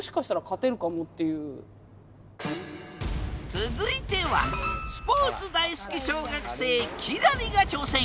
続いてはスポーツ大好き小学生輝星が挑戦！